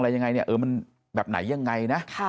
ยิ่งไง